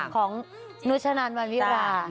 ของนุจชะนานมันวิวา